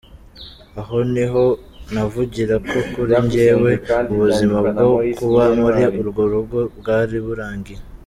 Aho niho navugira ko kuri jyewe ubuzima bwo kuba muri urwo rugo bwari burangiye.